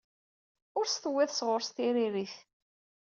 Ur s-d-tewwiḍ sɣur-s tririt.